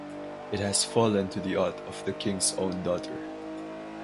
It has fallen to the ot of the king's own daughter.